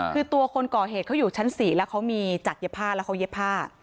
คือตัวคนก่อเหตุเขาอยู่ชั้น๔แล้วเขามีจัดเย็บผ้าแล้วเขาเย็บผ้า